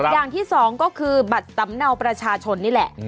อย่างที่สองก็คือบัตรสำเนาประชาชนนี่แหละ